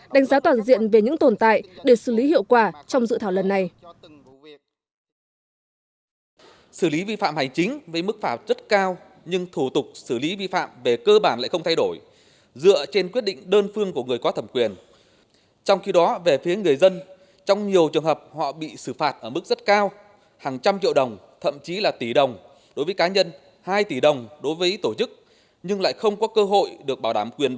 đánh giá toàn diện về những tồn tại để xử lý hiệu quả trong dự thảo luận này